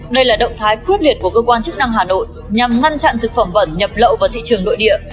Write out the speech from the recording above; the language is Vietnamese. đây là động thái quyết liệt của cơ quan chức năng hà nội nhằm ngăn chặn thực phẩm vẩn nhập lậu vào thị trường nội địa